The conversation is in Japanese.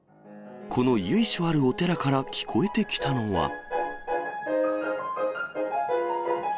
この由緒あるお寺から聞こえてきたのは。